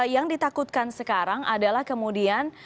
yang ditakutkan sekarang adalah kemudian